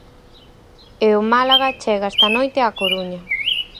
E o Málaga chega esta noite á Coruña.